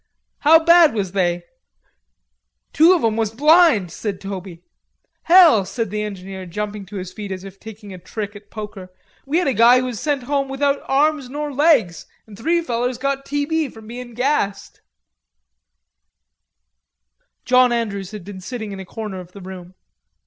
"How bad was they?" "Two of 'em was blind," said Toby. "Hell," said the engineer, jumping to his feet as if taking a trick at poker. "We had a guy who was sent home without arms nor legs, and three fellers got t.b. from bein' gassed." John Andrews had been sitting in a corner of the room.